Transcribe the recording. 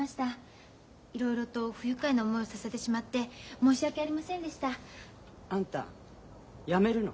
いろいろと不愉快な思いをさせてしまって申し訳ありませんでした。あんた辞めるの？